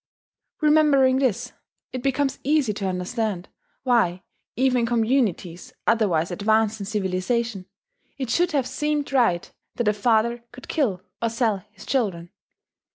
Remembering this, it becomes easy to understand why, even in communities otherwise advanced in civilization, it should have seemed right that a father could kill or sell his children.